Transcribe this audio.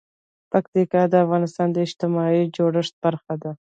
پکتیا د افغانستان د اجتماعي جوړښت برخه ده.